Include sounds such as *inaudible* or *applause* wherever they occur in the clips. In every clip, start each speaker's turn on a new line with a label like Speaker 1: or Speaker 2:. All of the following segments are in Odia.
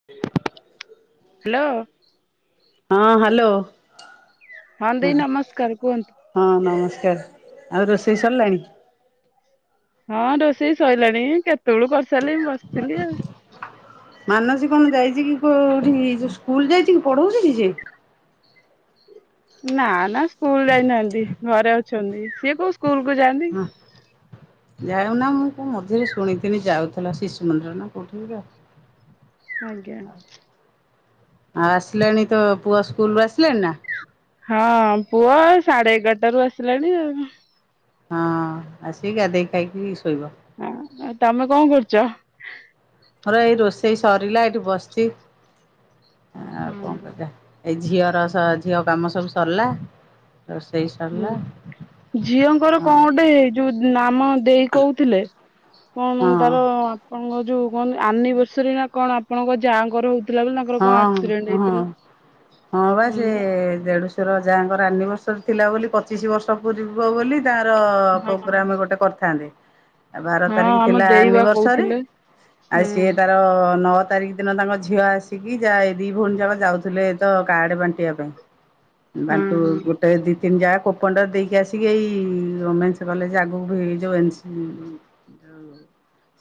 Speaker 1: *inaudible*
Speaker 2: ହାଲୋ।
Speaker 1: ହଁ ହାଲୋ।
Speaker 2: ହଁ ଦେଇ ନମସ୍କାର କୁହନ୍ତୁ।
Speaker 1: ହଁ ନମସ୍କାର ଆଉ ରୋଷେଇ ଶରିଲାଣି।
Speaker 2: ହଁ ରୋଷେଇ ସଇଲାଣି କେତେବେଳୁ କରିସାରିଲିଣି ବସିଥିଲି ଆଉ।
Speaker 1: ମାନସୀ କଣ ଯାଇଚିକି କୋଉଠିକି ସ୍କୁଲ ଯାଇଚିକି ପଢଉଚି କି ସେ?
Speaker 2: ନା ନା ସ୍କୁଲ୍ ଯାଇନାହାନ୍ତି ଘରେ ଅଛନ୍ତି ସିଏ କୋଉ ସ୍କୁଲ କୁ ଯାଆନ୍ତି।
Speaker 1: ହଁ ଯାଉନା ମୁଁ କଣ ମଝିରେ ଶୁଣିଥିଲି ଯାଉଥି ଥିଲା ଶିଶୁମନ୍ଦୀର ନା କୋଉଠିକି ତ
Speaker 2: ଆଜ୍ଞା
Speaker 1: ଆଉ ଆସିଲାଣି ତୋ ପୁଅ ସ୍କୁଲରୁ ଆସିଲାଣି ନା?
Speaker 2: ହଁ ପୁଅ ସାଢେ ଏଗାରଟାରୁ ଆସିଲାଣି ଆଉ।
Speaker 1: ହଁ ଆସିକି ଗାଧେଇ ଖାଇକି ଶୋଇବ।
Speaker 2: ହଁ ତମେ କଣ କରୁଚ?
Speaker 1: ମୋର ଏଇ ରୋଷେଇ ସରିଲା ଏଇଠି ବସିଛି ଆଉ କଣ କରିବା। ଏଇ ଝିଅର ଝିଅ କାମ ସବୁ ସରିଲା ରୋଷେଇ
Speaker 2: ହୁଁ
Speaker 1: ସରିଲା।
Speaker 2: ଝିଅଙ୍କର
Speaker 1: ହଁ
Speaker 2: କଣ ଗୋଟେ ହେଇ ଯୋଉ ନାମ ଦେଇ କୋହୁଥିଲେ?
Speaker 1: ହଁ
Speaker 2: କଣ ତାର ଆପଣଙ୍କ ଯୋଉ କଣ ଆନିଭର୍ସରୀ ନା କଣ ଆପଣଙ୍କ ଯାଙ୍କର ହଉ
Speaker 1: ହଁ ହ ହଁ ବା ସେ ଦେଢଶୁ ର ଯାଆ ଙ୍କର ଆନିଭର୍ସରୀ ଥିଲା ବୋଲି ପଚିଶି ବର୍ଷ ପୂରିବ ବୋଲି ତାହାର
Speaker 2: ହଁ
Speaker 1: ପ୍ରୋଗ୍ରାମ ଗୋଟେ କରିଥାନ୍ତେ। ଆଉ ବାର
Speaker 2: ହଁ
Speaker 1: ତାରିଖ
Speaker 2: ଆମ
Speaker 1: ଥିଲା
Speaker 2: ଦେଇ ବା
Speaker 1: ଆନିଭର୍ସରୀ
Speaker 2: କହୁଥିଲେ ହଁ
Speaker 1: ଆଉ ସିଏ ତାର ନଅ ତାରିଖ ଦିନ ତାଙ୍କ ଝିଅ ଆସି କି ଯାଏ ଦି ଭଉଣୀ ଯାକ ଯାଉଥିଲେ ତ କାଡେ ବାଣ୍ଟିବା ପାଇଁ।
Speaker 2: ହଁ
Speaker 1: ବାଣ୍ଟୁ
Speaker 2: ହଁ
Speaker 1: ଗୋଟେ ଦି ତିନି ଯା ପଣ୍ଡା ଦେଇକି ଆସିକି ଏଇ ଓମେନ୍ସ କଲେଜ ଆଗକୁ ବି ଯୋଉ ଏନସି ଯୋଉ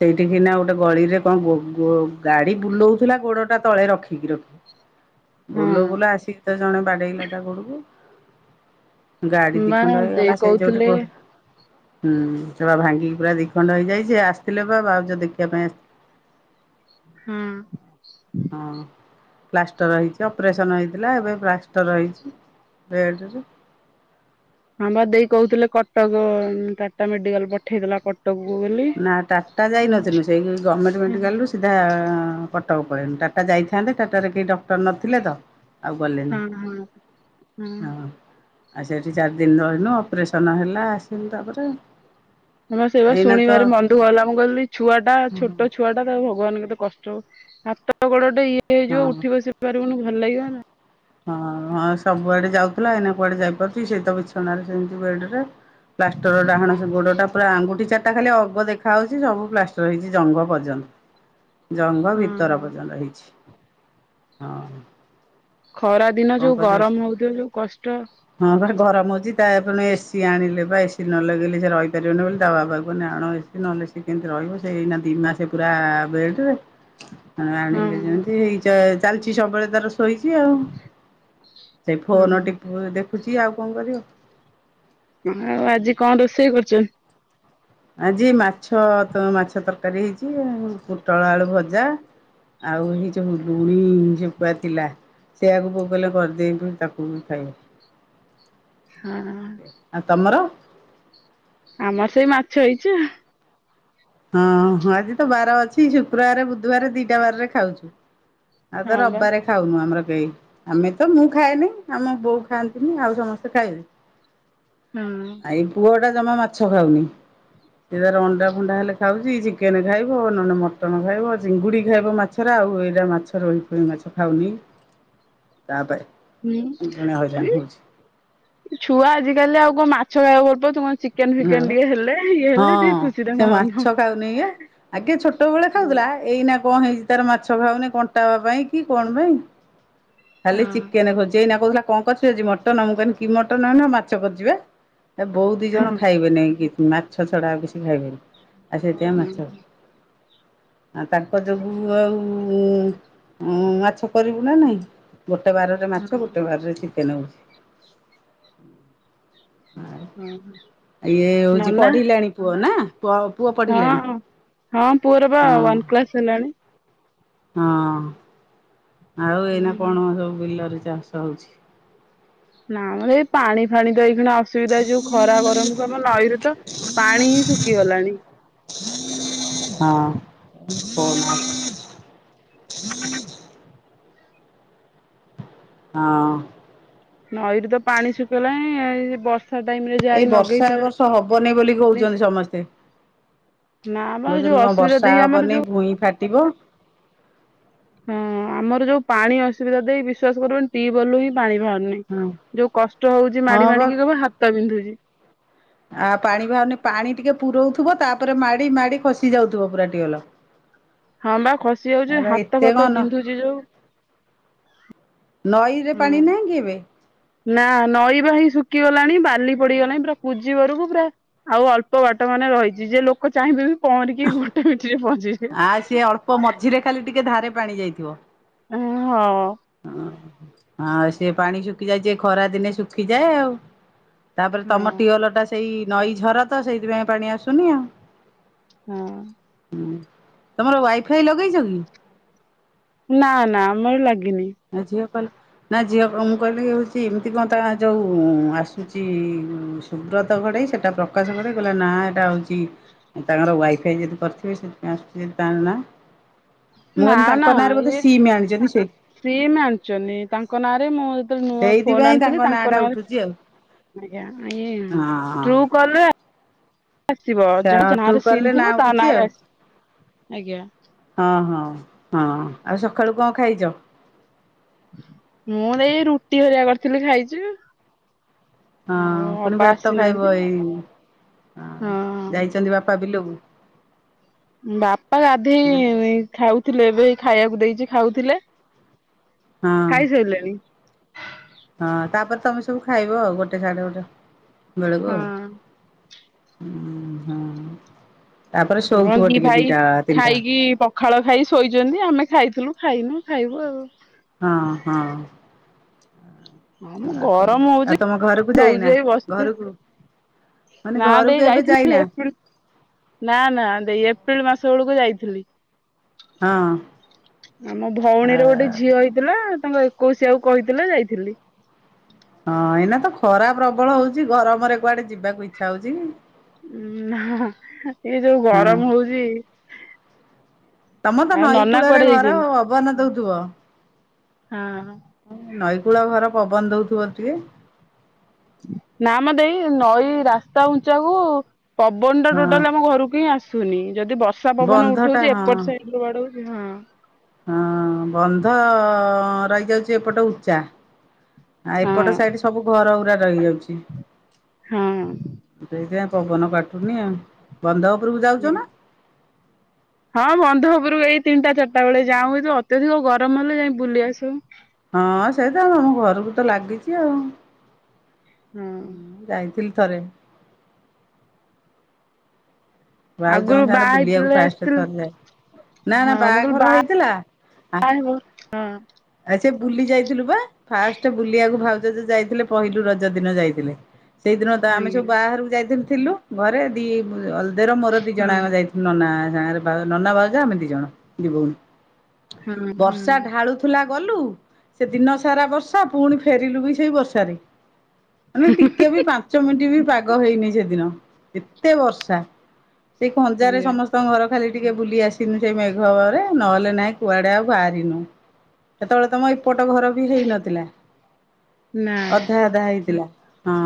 Speaker 1: ସେଇଠିି କିନା ଗୋଟେ ଗଳିରେ କଣ ଗୋ ଗୋ ଗାଡି ବୁଲଉଥିଲା ଗୋଡ ପାଦ ତଳେ ରଖିକି ରଖ ବୁଲଉ
Speaker 2: ହଁ
Speaker 1: ବୁଲଉ ଆସିକି ତ ଜଣେ ବାଡେଇଲା ତା ଗୋଡକୁ। ଗାଡି
Speaker 2: ବା
Speaker 1: ଦିଖଣ୍ଡ
Speaker 2: ଦେଇ
Speaker 1: ହେଇଗଲା ସେଇ ଯୋଉଠି
Speaker 2: କହୁଥିଲେ
Speaker 1: ପଡୁ ହୁଁ ସେଇଟା ଭାଙ୍ଗିକି ପୁରା ଦିଖଣ୍ଡ ହେଇଯାଇଛି ଆସିଥିଲେ ପା ଭାଉଜ ଦେଖିବା ପାଇଁ ଆସିଥିଲେ।
Speaker 2: ହୁଁ।
Speaker 1: ହଁ ପ୍ଲାଷ୍ଟର ହେଇଛି ଅପରେସନ ହେଇଥିଲା ଏବେ ପ୍ଲାଷ୍ଟର ହେଇଛି। ବେଡ଼ରେ
Speaker 2: ହଁ ବା ଦେଇ କହୁଥିଲେ କଟକ ଟାଟା ମେଡିକାଲ ପଠେଇଦବା କଟ କଟକକୁ ବୋଲି।
Speaker 1: ନା ଟାଟା ଯାଇନଥିଲୁ ସେଇ ଗଭର୍ଣ୍ଣମେଣ୍ଟ
Speaker 2: ହୁଁ ହୁଁ।
Speaker 1: ମେଡିକାଲରୁୁ ସିଧା କଟକ ପଳେଇଲୁ ଟାଟା ଯାଇଥାନ୍ତେ ଟାଟାରେ କେହି ଡକ୍ଟର ନଥିଲେ ତ ଆଉ ଗଲେନି
Speaker 2: ହଁ ହଁ
Speaker 1: ହଁ। ଆଉ ସେଇଠି ଚାରି ଦିନ ରହିଲୁ ଅପରେସନ୍ ହେଲା ଆସିଲୁ ତାପରେ ଆଉ।
Speaker 2: ହଁ ପା ସେଇଵା ଶୁଣିବାରେ ମନଦୁଃଖ ହେଲା ମୁଁ କହିଲି ଛୁଆ ଟା
Speaker 1: ହଁ
Speaker 2: ଛୋଟ ଛୁଆଟା ତାକୁ ଭଗବାନ କେତେ କଷ୍ଟ ହ ହାତ ଗୋଡଟେ ଇଏ ହେଇଯିବ
Speaker 1: ହଁ
Speaker 2: ଉଠି ବସି ପାରିବନି ଭଲ ଲାଗିବ ନା।
Speaker 1: ହଁ ହଁ ସବୁଆଡେ ଯାଉଥିଲା ଏଇନା କୁଆଡେ ଯାଇପାରୁଛି କି ସେଇ ତ ବିଛଣାରେ ସେମିତି ବେଡରେ ପ୍ଲାଷ୍ଟର ଡାହାଣ ସେ ଗୋଡ ଟା ପା ଆଙ୍ଗୁଠି ଚା ତା ଖାଲି ଅଗ ଦେଖା ହଉଛି ସବୁ ପ୍ଲାଷ୍ଟର ହେଇଛି ଜଙ୍ଘ ପର୍ଯ୍ୟନ୍ତ। ଜଙ୍ଘ ଭିତର
Speaker 2: ହଁ।
Speaker 1: ପର୍ଯ୍ୟନ୍ତ ହେଇଛି ହଁ।
Speaker 2: ଖରା
Speaker 1: ଆଉ
Speaker 2: ଦିନ
Speaker 1: କଣ
Speaker 2: ଯୋଉ
Speaker 1: କରିବା ସେ
Speaker 2: ଗରମ ହଉଥିବ ଯୋଉ କଷ୍ଟ।
Speaker 1: ହଁ ପା ଗରମ ହଉଛି ତାପରେ ଏସି ଆଣିଲେ ବା ଏସି ନ ଲଗେଇଲେ ସେ ରହିପାରିବନି ବୋଲି ତା ବାବା କହିଲି ଆଣ ଏ ସି ନହେଲେ ସ କେମିତି ରହିବ ସେଏଇନା ଦି ମାସେ ପୁରା ବେଡ଼ରେ।
Speaker 2: ହଁ
Speaker 1: ଆଣିଲେ ଯେମିତି ହେଇ ଚାଲିଛି ସବୁବେଳେ ତାର ଶୋଇଛି ଆଉ। ସେଇ ଫୋନ
Speaker 2: ହଁ।
Speaker 1: ଟି ଦେଖୁଛି ଆଉ କଣ କରିବ।
Speaker 2: ହଁ ଆଉ ଆଜି କଣ ରୋଷେଇ କରୁଛ?
Speaker 1: ଆଜି ମାଛ ମାଛ ତରକାରୀ ହେଇଛି ଆଉ ପୋଟଳ ଆଳୁ ଭଜା। ଆଉ ଏଇ ଯୋଉ ଲୁଣି ଯେ ପୁଆ ଥିଲା ସେଆକୁ ବୋଉ କହିଲେ ବନେଇ ଦେଏ ତାକୁ ମୁଁ ଖାଇବି।
Speaker 2: ହଁ
Speaker 1: ଆଉ ତମର?
Speaker 2: ଆମର ସେଇ ମାଛ ହେଇଛି ଆଉ
Speaker 1: ହଁ ଆଜି ତ ବାର ଅଛି ଶୁକ୍ରବାର ବୁଧବାର ଦିଟା ବାରରେ ଖାଉଛୁ। ଆଉ ତ
Speaker 2: ହଁ ବା
Speaker 1: ରବିବାରେ ଖାଉନୁ ଆମର କେହି। ଆମେ ତ ମୁଁ ଖାଏନି ଆମ ବୋଉ ଖାଆନ୍ତିନି ଆଉ ସମସ୍ତେ ଖାଇବେ।
Speaker 2: ହଁ।
Speaker 1: ଏଇପୁଅ ଟା ଜମା ମାଛ ଖାଉନି ସେ ତାର ଅଣ୍ଡା ଫଣ୍ଡା ହେଲେ ଖାଉଛି ଚିକେନ ଖାଇବ ନହେଲେ ମଟନ ଖାଇବ ଚିଙ୍ଗୁଡ଼ି ଖାଇବ ମାଛର ଆଉ ଏଇଟା ମାଛ ରୋହି ରୋହି ମାଛ ଖାଉନି
Speaker 2: ହୁଁ।
Speaker 1: ତାପାଇଁ ଜଣେ ହଇରାଣ ହଉଛି।
Speaker 2: ଛୁଆ ଆଜିକାଲି ଆଉ କଣ ମାଛ ଖାଇବାକୁ ଭଲପାଉଛନ୍ତି ଚି ଚିକେନ
Speaker 1: ନା
Speaker 2: ଫିକେନ
Speaker 1: ବା
Speaker 2: ଟିକେ ହେଲେ ଇଏ ହେଲେ
Speaker 1: ହଁ
Speaker 2: ଟିକେ ଖୁସି
Speaker 1: ସେ
Speaker 2: ତାଙ୍କ
Speaker 1: ମାଛ
Speaker 2: ମନ।
Speaker 1: ଖାଉନି ବା ଆଗେ ଛୋଟ ବେଳେ
Speaker 2: ହୁଁ।
Speaker 1: ଖାଉଥିଲା ଏଇନା କଣ ହେଇଛି ତାର ମାଛ ଖାଉନି କଣ୍ଟା ପାଇଁ କି କଣ ପାଇଁ ଖାଲି
Speaker 2: ହଁ
Speaker 1: ଚିକେନ ଖୋଜୁଚି ଏଇନା କହୁଥିଲା କଣ କରିଚୁ ଆଜି ମଟନ୍ ମୁଁ କହିନି କି ମଟନ ମାଛ କରିଛି ପା। ଏ ବୋଉ ଦି
Speaker 2: ହଁ
Speaker 1: ଜଣ ଖାଇବେନି କି ମାଛ ଛଡା ଆଉ କିଛି ଖାଇବେନି। ଆଜି ସେଇଥିପାଇଁ
Speaker 2: ହଁ
Speaker 1: ମାଛ। ଆ ତାଙ୍କ ଯୋଗୁ ଆଉ ମାଛ କରିବୁ ନା ନହିଁ। ଗୋଟେ ବାରରେ ମାଛ
Speaker 2: ହଁ।
Speaker 1: ଗୋଟେ ବାରରେ ଚିକେନ ହଉଛି।
Speaker 2: ହୁଁ ହୁଁ।
Speaker 1: ଇଏ ହଉଛି ପଢିଲାଣି ପୁଅ ନା? ପୁଅ ପୁଅ ପଢିଲାଣିି
Speaker 2: ହଁ ହଁ ପୁଅର ବା
Speaker 1: ହଁ।
Speaker 2: ୱାନ କ୍ଲାସ ହେଲାଣି।
Speaker 1: ହଁ ଆଉ ଏଇନା
Speaker 2: ହୁଁ
Speaker 1: କଣ ସବୁ ବିଲରେ ଚାଷ ହଉଛି?
Speaker 2: ନାଁ ମ ଏଇ ପାଣି ଫାଣି ତ ଏଇଖିଣା ଅସ୍ ସୁବିଧା ଏ ଯୋଉ ଖରା ଗରମକୁ ଆମ ନଈରୁ ତ ପାଣି ହିଁ ଶୁକିଗଲାଣି।
Speaker 1: ହଁ ଫୋନ୍ ଆଉ ହଁ।
Speaker 2: ନଈରୁ ତ ପାଣି ଶୁକିଗଲାଣି ଏ ବର୍
Speaker 1: ଏଇ ବର୍ଷା ଏ ବର୍ଷ ହବନେଇ ବୋଲି କହୁଚନ୍ତି ସମସ୍ତେ।
Speaker 2: ନା ବା ଯୋଉ
Speaker 1: କହୁଚନ୍ତି କଣ
Speaker 2: ଅସୁବିଧା
Speaker 1: ବର୍ଷା
Speaker 2: ଦେଇ ଆମର ଯୋଉ
Speaker 1: ହବନେଇ ଭୁଇଁ ଫାଟିବ।
Speaker 2: ହଁ ଆମର ଯୋଉ ପାଣି ଅସୁବିଧା ଦେଇ ବିଶ୍ୱାସ କରିବନି ଟିବଲରୁ ହିଁ ପାଣି ଭାରୁନେଇ।
Speaker 1: ହଁ
Speaker 2: ଯୋଉ କଷ୍ଟ ହଉଚି
Speaker 1: ହଁ
Speaker 2: ମାଡ଼ି
Speaker 1: ବା
Speaker 2: ମାଡି଼କି କବୁ ହାତ ବିନ୍ଧୁଚି।
Speaker 1: ଆ ପାଣି ଭାରୁନି ପାଣି ଟିକେ ପୁରଉଥୁବ ତାପରେ ମାଡ଼ି ମାଡ଼ି ଖସି ଯାଉଥୁବ ପୁରା ଟିଅଲ।
Speaker 2: ହଁ ବା ଖସି ଯାଉଚି
Speaker 1: ଏରା
Speaker 2: ହାତ
Speaker 1: ଏତେ
Speaker 2: ଫାତ
Speaker 1: କଣ
Speaker 2: ବିନ୍ଧୁଚି ଯୋଉ।
Speaker 1: ନଈରେ ପାଣି ନାହିଁ କି ଏବେ?
Speaker 2: ନାଁ ନଈ ବା ହେଇ ଶୁକିଗଲାଣି ବାଲି ପଡି଼ଗଲାଇଁ ପୁରା କୁଜିବରକୁ ପୁରା ଆଉ ଅଳ୍ପ ବାଟ ମାନେ ରହିଚି ଯେ ଲୋକ ଚାହିଁବେ ବି ପହଁରିକି ଗୋଟେ ମିଣ୍ଟିରେ ପହଞ୍ଚିଯିବେ।
Speaker 1: ପ ମଝିରେ ଖାଲି ଟିକେ ଧାରେ ପାଣି ଯାଇଥିବ।
Speaker 2: ଏଁ ହଁ।
Speaker 1: ହଁ ହଁ ସେ ପାଣି ଶୁକିଯାଇଚି ଏ ଖରା ଦିନେ ଶୁଖିଯାଏ ଆଉ। ତାପରେ ତମ ଟିୱଲଟା ସେଇ ନଈ ଝର ତ ସେଇଥିପାଇଁ ପାଣି ଆସୁନି ଆଉ।
Speaker 2: ହଁ।
Speaker 1: ହୁଁ ତମର ୱାଇଫାଇ ଲଗେଇଚ କି?
Speaker 2: ନାଁ ନାଁ ଆମର ଲାଗିନି।
Speaker 1: ଆଉ ଝିଅ କଲେ ନାଁ ଝିଅ କ ମୁଁ କଇଲି ହଉଚି ଏମିତି କଁ ତା ଯଉ ଆସିଚି ସୁବ୍ରତ ଘଡ଼େଇ ସେଟା ପ୍ରକାଶ ଘଡ଼େଇ କଲା ନାଁ ଏଟା ହଉଚି ତାଙ୍କର ୱାଇଫାଇ ଯଦି କରିଥିବେ ସେଥିପାଇଁ ଆସୁଚି ଯଦି ତାଙ୍କ ନାଁ। ମୁଁ
Speaker 2: ନା
Speaker 1: ଅନ
Speaker 2: ନା
Speaker 1: ତାଙ୍କ ନାଁରେ ବୋଧେ
Speaker 2: ଇଏ
Speaker 1: ସିମି ଆଣିଚନ୍ତି ସେ।
Speaker 2: ସିମ୍ ଆଣିଚନ୍ତି ତାଙ୍କ ନାଁରେ ମୋ ତ ନୂଆ ଫୋନ
Speaker 1: ସେଇଥିପାଇଁ
Speaker 2: ଆଣିଥିଲି
Speaker 1: ନାଁ
Speaker 2: ତାଙ୍କ
Speaker 1: ଟା
Speaker 2: ନାଁରେ
Speaker 1: ଉଠୁଛି ଆଉ
Speaker 2: ଆଜ୍ଞା ଆ ଇଏ
Speaker 1: ହଁ।
Speaker 2: ଟ୍ରୁ କଲ୍ ଆସିବ ଯାହା
Speaker 1: ସେଠୁ
Speaker 2: ନାଁରେ ସିମ୍
Speaker 1: କଲେ ନା
Speaker 2: ଥିବ ତା
Speaker 1: ଉଠୁଛି
Speaker 2: ନାଁରେ
Speaker 1: ଆଉ
Speaker 2: ଆସ୍ ଆଜ୍ଞା।
Speaker 1: ହଁ ହଁ ହଁ ଆଉ ସଖାଳୁ କଁ ଖାଇଚ?
Speaker 2: ମୁଁ ଏଇ ରୁଟି ହରିଆ କରିଥିଲି ଖାଇଚି।
Speaker 1: ହଁ ପୁଣି ଭାତ ଖାଇବ
Speaker 2: ଆସିନାହାନ୍ତି
Speaker 1: ଏଇ ଆ
Speaker 2: ହଁ
Speaker 1: ଯାଇଚନ୍ତି ବାପା ବିଲକୁ?
Speaker 2: ବାପା
Speaker 1: ବିଲ
Speaker 2: ଗାଧେଇ ଖାଉଥିଲେ ଏବେ ହେଇ ଖାଇବାକୁ ଦେଇଚି ଖାଉଥିଲେ।
Speaker 1: ହଁ
Speaker 2: ଖାଇ ସାଇଲେଣି।
Speaker 1: ହଁ ତାପରେ ତମେ ସବୁ ଖାଇବ ଆଉ ଗୋଟେ ସାଢ଼େ ଗୋଟେ ବେଳୁକୁ
Speaker 2: ହଁ
Speaker 1: ଆଉ। ହୁଁ ହଁ ତାପରେ ଶୋଉଥୁବ ଟିକେ ଦିଟା ତିନିଟା
Speaker 2: ଖାଳ ଖାଇ ଶୋଇଚନ୍ତି ଆମେ ଖାଇଥିଲୁ ଖାଇନୁ ଖାଇବୁ ଆଉ।
Speaker 1: ହଁ ହଁ।
Speaker 2: ହଁ ମୁଁ
Speaker 1: ଆଉ କଣ କର
Speaker 2: ଗରମ
Speaker 1: ଆଉ
Speaker 2: ହଉଚି
Speaker 1: ତମ ଘରକୁ ଯାଇନା
Speaker 2: ଶୋଉଚୁ ଏଇ ବସଚୁ।
Speaker 1: ଘରକୁ ମାନେ
Speaker 2: ନାଁ
Speaker 1: ଘରକୁ
Speaker 2: ଦେଇ
Speaker 1: ଏବେ
Speaker 2: ଯାଇଥିଲି
Speaker 1: ଯାଇନା
Speaker 2: ଏପ୍ରିଲ୍ ନାଁ ନାଁ ଦେଇ ଏପ୍ରିଲ ମାସ ଅଳୁକୁ ଯାଇଥିଲି।
Speaker 1: ହଁ।
Speaker 2: ଆମ
Speaker 1: ଆ
Speaker 2: ଭଉଣୀର ଗୋଟେ ଝିଅ ହେଇଥିଲା ତାଙ୍କ ଏକୋଉଶିଆକୁ କହିଥିଲେ ଯାଇଥିଲି
Speaker 1: ହଁ ଏଇନା ତ ଖରା ପ୍ରବଳ ହଉଚି ଗରମରେ କୁଆଡ଼େ ଯିବାକୁ ଇଚ୍ଛା ହଉଚି କି?
Speaker 2: ଉଁ ନାଁ ଏଇ ଯୋଉ
Speaker 1: ହଁ
Speaker 2: ଗରମ ହଉଚି। ଆଉ ନନା କୁଆଡେ ଯାଇଚନ୍ତି?
Speaker 1: ବନ ଦଉଥିବ।
Speaker 2: ହଁ।
Speaker 1: ହଁ ନଈକୂଳ ଘର ପବନ ଦଉଥିବ ଟିକେ।
Speaker 2: ନା ମ ଦେଇ ନଈ ରାସ୍ତା ଉଞ୍ଚାକୁ ପବନ ଟା
Speaker 1: ହଁ
Speaker 2: ଟୋଟାଲ ଆମ ଘରକୁ ହିଁ ଆସୁ ଶୁନି ଯଦି ବର୍ଷା ପବନ
Speaker 1: ବନ୍ଧ ଟା
Speaker 2: ଉଠଉଚି
Speaker 1: ହଁ
Speaker 2: ଏପଟ ସାଇଡ କୁ ବାଡଉ ହଁ।
Speaker 1: ହଁ ବନ୍ଧ ରହିଯାଉଚି ଏପଟ ଉଚ୍ଚା। ଆ
Speaker 2: ହଁ
Speaker 1: ଏପଟ ସାଇଟ୍ ସବୁ ଘର ଉରା ରହି ଯାଉଚି।
Speaker 2: ହଁ।
Speaker 1: ସେଇ ପାଇଁ ପବନ କାଟୁନି ଆଉ, ବନ୍ଧ ଉପରକୁ ଯାଉଚ ନା?
Speaker 2: ହଁ ବନ୍ଧ ଉପରକୁ ଏଇ ତିନିଟା ଚାରିଟା ବେଳେ ଯାଉ ଏଇ ଯଉ ଅତ୍ୟଧିକ ଗରମ ହେଲେ ଯାଇ ବୁଲି ଆସୁ।
Speaker 1: ହଁ ସେଇଟା ଘରକୁ ତ ଲାଗିଚି ଆଉ,
Speaker 2: ହଁ
Speaker 1: ଉଁ ଯାଇଥିଲି ଥରେ ଆଉ
Speaker 2: ଆଗରୁ
Speaker 1: ଜଙ୍କ ସାଙ୍ଗରେ
Speaker 2: ବାହା
Speaker 1: ବୁଲିବାକୁ
Speaker 2: ହେଇଥିଲେ
Speaker 1: ଫାଷ୍ଟ
Speaker 2: ଆସିଥିଲୁ
Speaker 1: ଥରିଯାଏ। ନା ନା
Speaker 2: ହଁ ମୁଁ କହିଲି
Speaker 1: ବାହାଘର
Speaker 2: ବାହା
Speaker 1: ହେଇଥିଲା ଆ
Speaker 2: ହେବ ହଁ
Speaker 1: ଆ ଚେ ବୁଲି ଯାଇଥିଲୁ ବା। ଫାଷ୍ଟ ବୁଲିବାକୁ ଭାଉଜ ଜଉ ଯାଇଥିଲେ ପହିଲୁ ରଜ ଦିନ ଯାଇଥିଲେ। ସେଇଦିନ ତ ଆମେ
Speaker 2: ଆଜ୍ଞା
Speaker 1: ସବୁ ବାହାରକୁ ଯାଇଥିନୁ ଥିଲୁ ଘରେ ଦି ଅଲଦେ ର ମୋର ଦି ଜଣ
Speaker 2: ହଁ।
Speaker 1: ଆକ ଯାଇଥିଲୁ। ନନା ସାଙ୍ଗରେ ବା ନନା ବାଉଜ ଆମେ ଦି ଜଣ ଦି ଭଉଣୀ
Speaker 2: ହଁ ହଁ
Speaker 1: ବର୍ଷା ଢାଳୁ ଥୁ ଲା ଗଲୁ ସେ ଦିନ ସାରା ବର୍ଷା ପୁଣି ଫେରିଲୁ ବି ସେଇ ବର୍ଷାରେ। ମାନେ ଟିକେ ବି ପାଞ୍ଚ ମିନିଟ୍ ବି ପାଗ ହେଇନି ସେଦିନ ଏତେ ବର୍ଷା। ସେଇ ଖଞ୍ଜାରେ
Speaker 2: ଆଜ୍ଞା
Speaker 1: ସମସ୍ତେ ଙ୍କ ଘର ଖାଲି ଟିକେ ବୁଲି ଆସିନୁ ସେଇ ମେଘ ଭୟରେ ନହେଲେ ନାହିଁ କୁଆଡେ ଆଉ ବାହାରିନୁ। ସେତେବେଳେ ତମ ଏପଟ ଘର ବି ହେଇନଥିଲା
Speaker 2: ନା
Speaker 1: ଅଧା ଅଧା ହେଇଥିଲା। ହଁ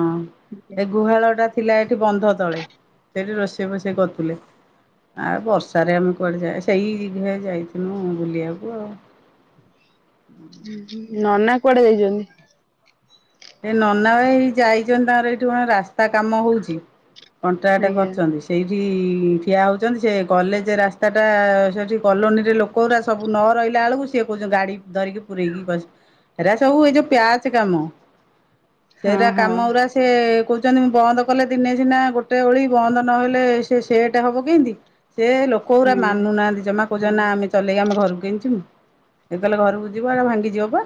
Speaker 1: ଏ ଗୁହାଳ ଟା ଥିଲା ଏଠି ବନ୍ଧ ତଳେ ସେଠି ରୋଷେଇ ବୋଷେଇ କରୁଥିଲେ। ଆଉ ବର୍ଷାରେ ଆମେ କୁଆଡେ ଯା ସେଇ ଯି ଯାଇଥିନୁ ବୁଲିବାକୁ ଆଉ। *inaudible*
Speaker 2: ହୁଁ ହୁଁ ନନା କୁଆଡେ ଯାଇଚନ୍ତି?
Speaker 1: ଏ ନନା ହେଇ ଯାଇଚନ୍ତି ତାଙ୍କର ଏଇଠି କଣ ରାସ୍ତା କାମ ହଉଚି କଣ୍ଟ୍ରାକ୍ଟ
Speaker 2: ଆଜ୍ଞା
Speaker 1: କରିଚନ୍ତି। ସେଇଠି ଠିଆ ହଉଚନ୍ତି ସେ କଲେଜେ ରାସ୍ତାଟା ସେଇଠି କଲୋନୀରେ ଲୋକ କଉରା ସବୁ ନ ରହିଲା ବେଳକୁ ସେ କହୁଛନ୍ତି ଗାଡି ଧରିକି ପୁରେଇକି ବସ ହେରା ଏସବୁ ଏଇ ଯୋଉ ପ୍ୟାଚ୍ କାମ
Speaker 2: ହଁ
Speaker 1: ସେରା
Speaker 2: ହଁ
Speaker 1: କାମ ଗୁରା ସେ କଉଚନ୍ତି ବନ୍ଦ କଲେ ଦିନେ ସିନା ଗୋଟେ ଓଳି ବନ୍ଦ ନହଲେ ସେ ସେଟେ ହବ କେମତି ସେ ଲୋକ ଗୁରା
Speaker 2: ହଁ
Speaker 1: ମାନୁନାହାନ୍ତି ଜମା କଉଚନ୍ତି ନା ଆମେ ଚଲେଇକି ଆମେ ଘରକୁ କିମତି ଯିବୁ ଏ ତା ଲେ ଘରକୁ ଯିବ ଏ ଭାଙ୍ଗିଯିବ ପା।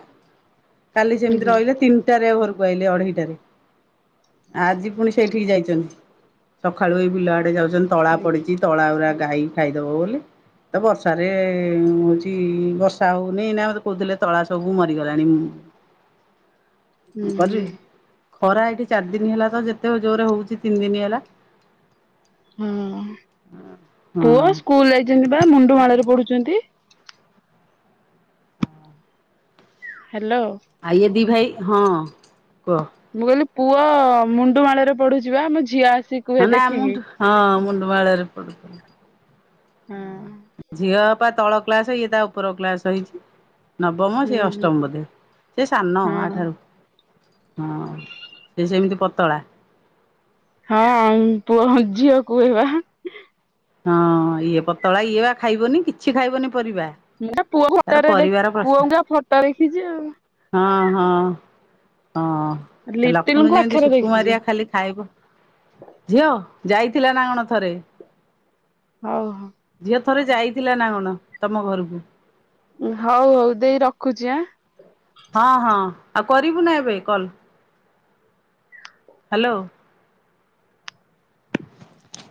Speaker 1: କାଲି ସେମିତି
Speaker 2: ଆଜ୍ଞା
Speaker 1: ରହିଲେ ତିନିଟାରେ ଘରକୁ ଆଇଲେ ଅଢେଇଟାରେ। ଆଜି ପୁଣି ସେଇଠିକି ଯାଇଚନ୍ତି ସଖାଳୁ ଏଇ ବିଲ ଆଡେ ଯାଉଚନ୍ତି ତଳା
Speaker 2: ହୁଁ
Speaker 1: ପଡିଚି। ତଳା ଉରା ଗାଈ ଖାଇଦବ ବୋଲି। ତ ବର୍ଷାରେ ହଉଚି ବର୍ଷା ହଉନି ନା ମତେ କହୁଥିଲେ ତଳା ସବୁ ମରିଗଲାଣି ମୁଁ
Speaker 2: ହୁଁ।
Speaker 1: କରିବି ଖରା ଏଇଠି ଚାରି ଦିନ ହେଲା ତ ଯେତେ ଜୋରରେ ହଉଚି ତିନି ଦିନ୍ ହେଲା।
Speaker 2: ହଁ
Speaker 1: ହଁ
Speaker 2: ପୁଅ ସ୍କୁଲ ଯାଇଚନ୍ତି ପା ମୁଣ୍ଡୁ ମାଳରେ ପଢୁଚନ୍ତି। ହ୍ୟାଲୋ।
Speaker 1: ଆଇ ଏ ଦି ଭାଇ ହଁ କହ।
Speaker 2: ମୁଁ କହିଲି ପୁଅ ମୁଣ୍ଡୁ ମାଳରେ ପଢୁଚିବା ବା ମୋ ଝିଅ ଆସିକି କୁହେ
Speaker 1: ହ ନା ମୁ
Speaker 2: ଦେଖିକି।
Speaker 1: ମୁଣ୍ଡୁ ହଁ ମୁଣ୍ଡୁ ମାଳରେ ପଢୁଚି।
Speaker 2: ହଁ
Speaker 1: ଝିଅ ଅପା ତଳ କ୍ଲାସ ଇଏ ତା ଉପର କ୍ଳାସ ହେଇଚି। ନବମ
Speaker 2: ହୁଁ
Speaker 1: ସେ
Speaker 2: ହୁଁ
Speaker 1: ଅଷ୍ଟମ ବୋଧେ ସେ ସାନ
Speaker 2: ହଁ।
Speaker 1: ଆଠାରୁ। ହଁ, ସେ ସେମିତି ପତଳା।
Speaker 2: ହଁ, ପୁଅଝିଅ କୁହିବା।
Speaker 1: ହଁ ଇଏ ପତଳା ଇଏ ବା ଖାଇବନି କିଛି ଖାଇବନି ପରିବା।
Speaker 2: ମୁଁ ପୁଅ
Speaker 1: ତାର
Speaker 2: ଫଟୋରେ ଦେ
Speaker 1: ପରିବାର ପ୍ରଶ୍ନ
Speaker 2: ପୁଅ କୁ ଯା ଫଟୋ ଦେଖିଚି ଆଉ।
Speaker 1: ହଁ ହଁ ହଁ ଲକ୍ଷ୍ମ
Speaker 2: ଲିଟିଲଙ୍କୁ
Speaker 1: ଯେମିତି
Speaker 2: ଆଖିରେ ଦେଖିଛି
Speaker 1: ସୁକୁମାରିଆ ଖାଲି ଖାଇବୁ। ଝିଅ, ଯାଇଥିଲା ନା କଣ ଥରେ।
Speaker 2: ଓହୋ।
Speaker 1: ଝିଅ ଥରେ ଯାଇଥିଲା ନା କଣ ତମ ଘରକୁ।
Speaker 2: ହଉ ହଉ ଦେଇ ରଖୁଚି ଆଁ।
Speaker 1: ହଁ, ହଁ ଆଉ କରିବୁ ନା ଏବେ କଲ୍। ହାଲୋ।